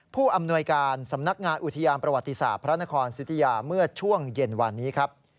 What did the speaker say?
ผู้อำนวยการสำนักงานอุทยานประวัติศาสตร์พระนครสิทธิยาเมื่อช่วงเย็นวันนี้ครับ